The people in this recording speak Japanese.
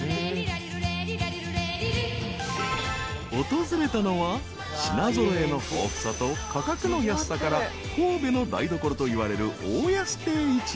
［訪れたのは品揃えの豊富さと価格の安さから神戸の台所といわれる］